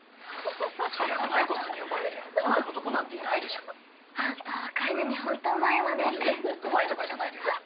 そりゃマイコさんに呼ばれりゃ来ない男なんていないでしょあんた若いのにホントうまいわねうまいとかじゃないです